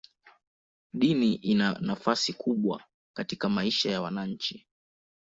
Dini ina nafasi kubwa katika maisha ya wananchi.